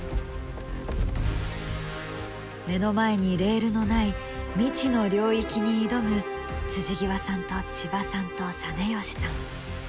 目の前にレールのない未知の領域に挑む極さんと千葉さんと實吉さん。